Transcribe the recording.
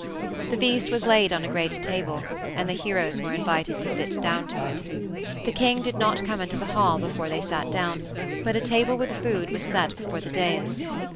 The feast was laid on a great table, and the heroes were invited to sit down to it. The king did not come into the hall before they sat down, but a table with food was set before the dais.